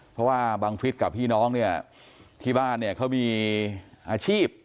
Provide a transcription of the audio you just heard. เพราะว่าบังฟิศกับพี่น้องเนี่ยที่บ้านเนี่ยเขามีอาชีพ